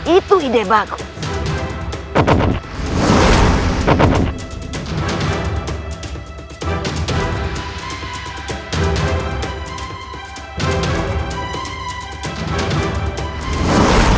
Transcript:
itu ide bagus